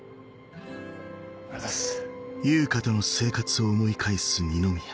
ありがとうございます。